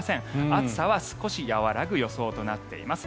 暑さは少し和らぐ予想となっています。